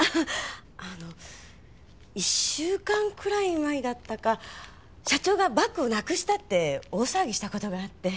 あの１週間くらい前だったか社長がバッグをなくしたって大騒ぎした事があって。